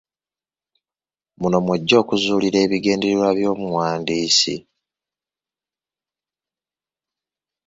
Muno mw'ojja okuzuulira ebigendererwa by'omuwandiisi.